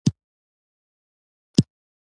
لاسونه روزنه غواړي